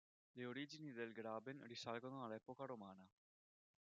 Le origini del Graben risalgono all'epoca romana.